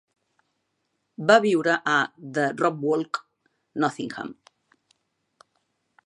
Va viure a The Ropwalk, Nottingham.